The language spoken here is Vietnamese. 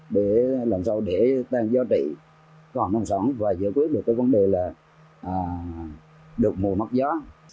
để làm sao để tăng gió trị còn nông sản và giải quyết được cái vấn đề là đột mùa mắc gió